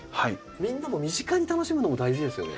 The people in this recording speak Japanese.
みんなも身近に楽しむのも大事ですよね。